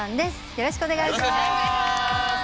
よろしくお願いします。